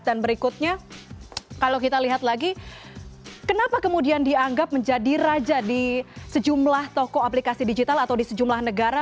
dan berikutnya kalau kita lihat lagi kenapa kemudian dianggap menjadi raja di sejumlah toko aplikasi digital atau di sejumlah negara